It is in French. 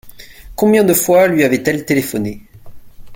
Combien de fois lui avaient-elles téléphoné ?